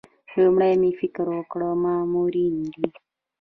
لومړی مې فکر وکړ مامورینې دي.